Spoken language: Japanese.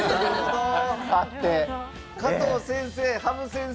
加藤先生羽生先生